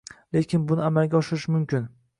Lekin buni amalga oshirish mumkin